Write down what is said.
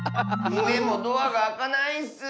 でもドアがあかないッス。